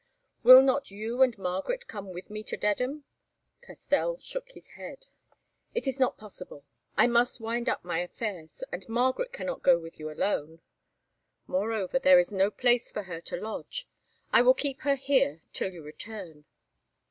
"Will not you and Margaret come with me to Dedham?" Castell shook his head. "It is not possible. I must wind up my affairs, and Margaret cannot go with you alone. Moreover, there is no place for her to lodge. I will keep her here till you return."